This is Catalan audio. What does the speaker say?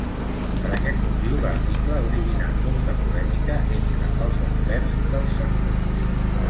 Per aquest motiu, l’article ha originat molta polèmica entre els experts del sector.